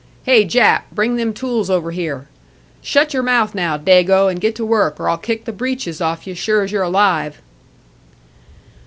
Hey, Jap, bring them tools over here! Shut your mouth, now, Dago, and get to work, or I'll kick the breeches off you, sure as you're alive!"